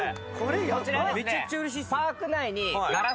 こちらですね。